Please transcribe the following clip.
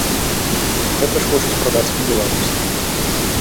Гэта ж хочуць прадаць і беларусам.